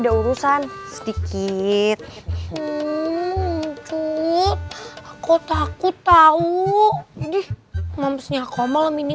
mungkin dah sholat